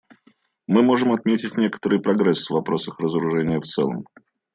Мы можем отметить некоторый прогресс в вопросах разоружения в целом.